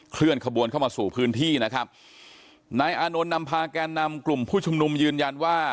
เคลื่อนขบวนเข้ามาสู่พื้นที่นะครับนายอานนท์นำพาแกนนำกลุ่มผู้ชุมนุมยืนยันว่า